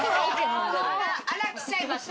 あら、来ちゃいました？